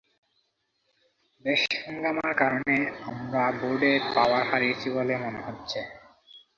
বেশ হাঙ্গামার কারণে, আমরা বোর্ডে পাওয়ার হারিয়েছি বলে মনে হচ্ছে।